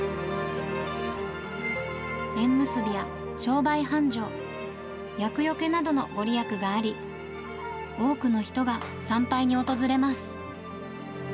縁結びや商売繁盛、厄除けなどの御利益があり、多くの人が参拝に訪れます。